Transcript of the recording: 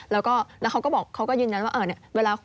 แล้วเขาก็ยืนยันว่า